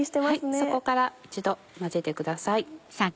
底から一度混ぜてください。